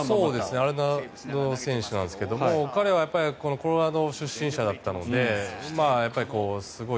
アレナド選手なんですけど彼はコロラド出身者だったのですごい。